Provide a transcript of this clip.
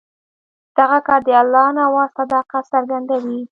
دغه کار د الله نواز صداقت څرګندوي.